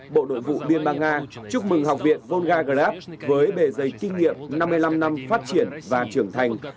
bộ đội vụ biên bang nga chúc mừng học viện volgagrad với bề dây kinh nghiệm năm mươi năm năm phát triển và trưởng thành